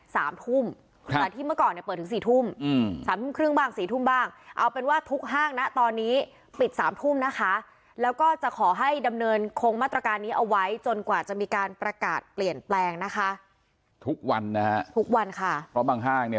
สามทุ่มครับแต่ที่เมื่อก่อนเนี่ยเปิดถึงสี่ทุ่มอืมสามทุ่มครึ่งบ้างสี่ทุ่มบ้างเอาเป็นว่าทุกห้างนะตอนนี้ปิดสามทุ่มนะคะแล้วก็จะขอให้ดำเนินคงมาตรการนี้เอาไว้จนกว่าจะมีการประกาศเปลี่ยนแปลงนะคะทุกวันนะฮะทุกวันค่ะเพราะบางห้างเนี่ย